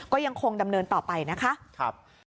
ก็ยังคงดำเนินต่อไปนะคะ